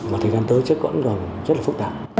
mà thời gian tới chắc cũng rất là phức tạp